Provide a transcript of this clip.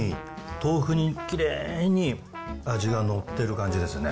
豆腐にきれいに味が乗ってる感じですね。